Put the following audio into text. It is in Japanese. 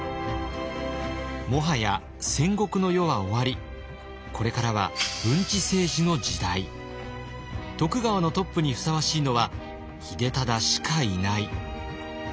もはや戦国の世は終わりこれからは徳川のトップにふさわしいのは秀忠しかいない。